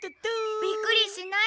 えっびっくりしないの？